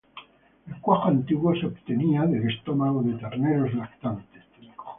El cuajo antiguo se obtenía del estómago de terneros lactantes.